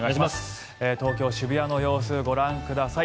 東京・渋谷の様子ご覧ください。